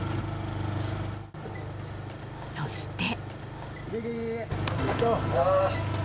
そして。